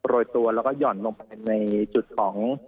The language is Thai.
โรยตัวแล้วก็หย่อนลงไปในจุดของ